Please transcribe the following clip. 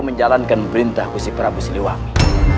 menjalankan perintahku si prabu siliwangi